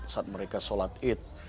saat mereka sholat